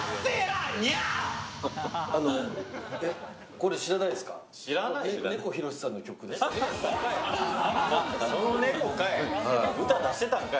これ知らないですか？